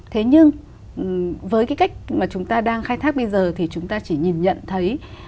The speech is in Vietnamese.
thế nhưng với cái cách mà chúng ta đang khai thác bây giờ thì chúng ta chỉ nhìn nhận thấy